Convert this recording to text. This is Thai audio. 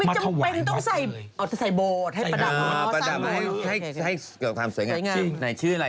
มันไม่จำเป็นต้นใส่โบสถ์อย่างอะใส่แปดาบ